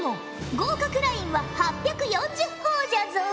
合格ラインは８４０ほぉじゃぞ。